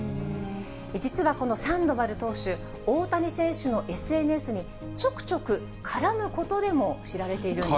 実はこのサンドバル投手、大谷選手のＳＮＳに、ちょくちょく絡むことでも知られているんです。